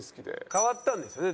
変わったんですよね